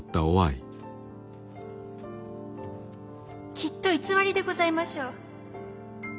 きっと偽りでございましょう。